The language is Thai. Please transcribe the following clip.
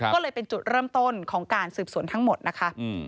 ก็เลยเป็นจุดเริ่มต้นของการสืบสวนทั้งหมดนะคะ